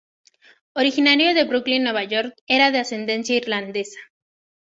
Originario de Brooklyn, Nueva York, era de de ascendencia irlandesa.